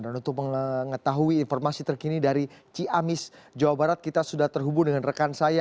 dan untuk mengetahui informasi terkini dari ciamis jawa barat kita sudah terhubung dengan rekan saya